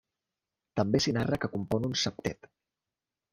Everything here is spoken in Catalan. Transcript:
També s'hi narra que compon un septet.